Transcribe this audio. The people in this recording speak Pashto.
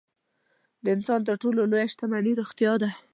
د انسان تر ټولو لویه شتمني روغتیا ده.